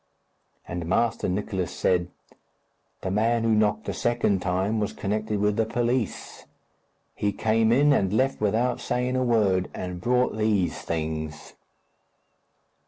And Master Nicless said, "The man who knocked the second time was connected with the police; he came in and left without saying a word, and brought these things."